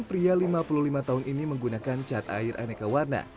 pria lima puluh lima tahun ini menggunakan cat air aneka warna